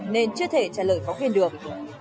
nên chưa thể trả lời phóng viên được